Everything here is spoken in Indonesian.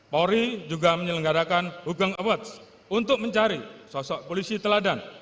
polri juga menyelenggarakan hugeng awards untuk mencari sosok polisi teladan